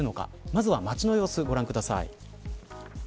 まずは街の様子ご覧ください。